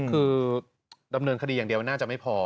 คือดำเนินคดีอย่างเดียวน่าจะไม่พอ